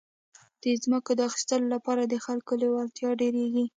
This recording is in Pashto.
د ځمکو د اخیستو لپاره د خلکو لېوالتیا ډېرېږي.